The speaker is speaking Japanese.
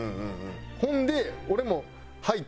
ほんで俺も入ったら。